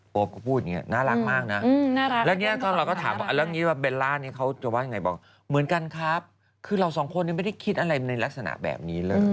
โอปก็พูดอย่างงี้น่ารักมากนะแล้วเราก็ถามว่าเบลล่านี่เขาจะว่าอย่างไรบอกเหมือนกันครับคือเราสองคนยังไม่ได้คิดอะไรในลักษณะแบบนี้เลย